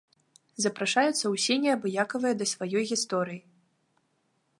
Запрашаюцца ўсе неабыякавыя да сваёй гісторыі!